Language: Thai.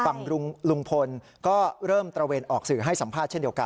ฝั่งลุงพลก็เริ่มตระเวนออกสื่อให้สัมภาษณ์เช่นเดียวกัน